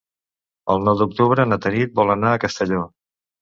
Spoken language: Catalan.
El nou d'octubre na Tanit vol anar a Castelló.